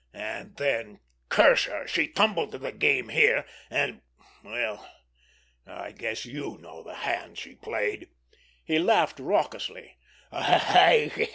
And then, curse her, she tumbled to the game here, and—well, I guess you know the hand she played." He laughed raucously.